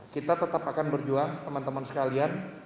kita tetap akan berjuang teman teman sekalian